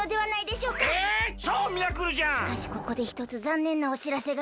しかしここでひとつざんねんなおしらせが。